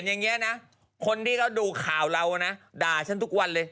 ทีนี้เขาดูข่าวเรานะด่าฉันทุกวันเลย